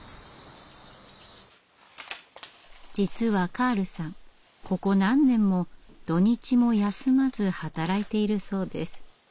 実はカールさんここ何年も土日も休まず働いているそうです。